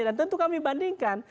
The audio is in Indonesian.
dan tentu kami bandingkan